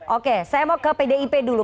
oke saya mau ke pdip dulu